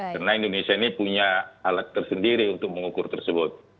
karena indonesia ini punya alat tersendiri untuk mengukur tersebut